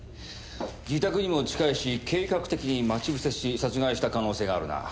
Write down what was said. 自宅にも近いし計画的に待ち伏せし殺害した可能性があるな。